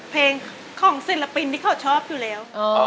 เพลงของศิลปินที่เขาชอบอยู่แล้ว